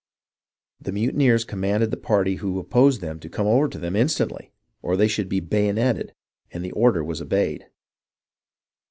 The mutineers com manded the party who opposed them to come over to them instantly or they should be bayoneted, and the order was obeyed.